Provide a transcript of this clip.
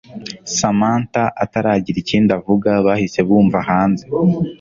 Samantha ataragira ikindi avuga bahise bumva hanze